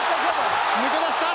抜け出した！